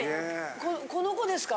・この子ですか？